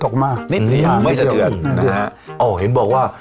ครับ